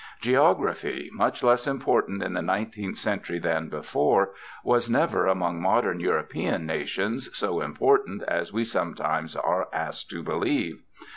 Geography, much less important in the nineteenth century than before, was never, among modern European nations, so important as we sometimes are asked to believe.